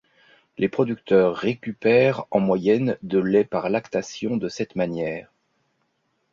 Les producteurs récupèrent en moyenne de lait par lactation de cette manière.